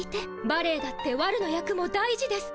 バレエだってわるの役も大事です。